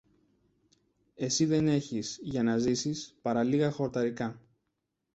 Εσύ δεν έχεις για να ζήσεις παρά λίγα χορταρικά